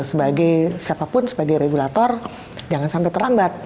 sebagai siapapun sebagai regulator jangan sampai terlambat